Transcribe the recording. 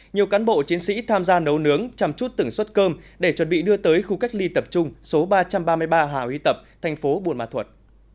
nhiều cán bộ chiến sĩ tham gia nấu nướng chăm chút từng suất cơm để chuẩn bị đưa tới khu cách ly tập trung số ba trăm ba mươi ba hà huy tập thành phố buôn mà thuật